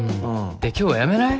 って今日はやめない？